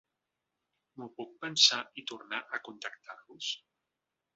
M'ho puc pensar i tornar a contactar-vos?